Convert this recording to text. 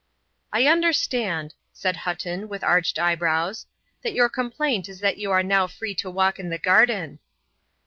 "I understand," said Hutton, with arched eyebrows, "that your complaint is that you are now free to walk in the garden."